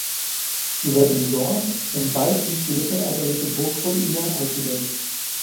Über dem Dorf, im Wald liegt die mittelalterliche Burgruine Altenberg.